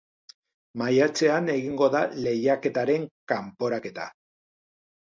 Maiatzean egingo da lehiaketaren kanporaketa.